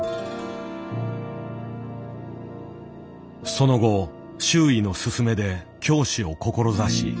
その後周囲のすすめで教師を志し